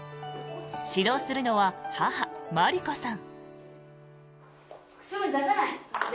指導するのは母・真理子さん。